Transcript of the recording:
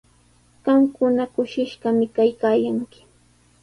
Qamkuna kushishqami kaykaayanki.